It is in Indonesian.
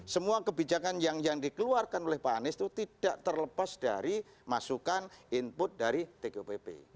semua kebijakan yang dikeluarkan oleh pak anies itu tidak terlepas dari masukan input dari tgupp